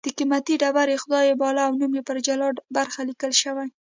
د قېمتي ډبرې خدای یې باله او نوم یې په جلا برخه لیکل شوی